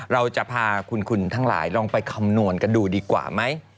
เราจะพาคุณทั้งหลายลองไปคำนวณกันดูดีกว่าไหม